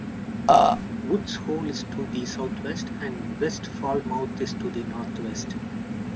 Woods Hole is to the southwest, and West Falmouth is to the northwest.